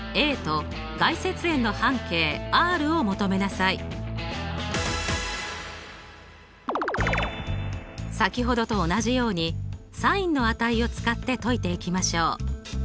それでは先ほどと同じようにｓｉｎの値を使って解いていきましょう。